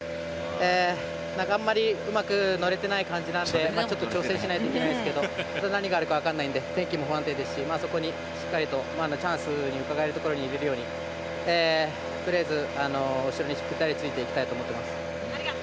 あんまりうまく乗れていない感じなのでそこは調整しないといけないですけど何があるかわからないので天気も不安定ですしそこにしっかりとチャンスをうかがえるところにいられるようにとりあえず後ろにぴったりついていきたいと思います。